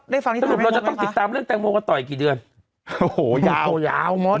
ได้ฟังที่เราจะต้องติดตามเรื่องแตงโมงกระต่อยกี่เดือนโอ้โหยาวยาวหมด